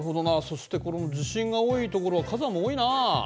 そしてこの地震が多いところは火山が多いなあ。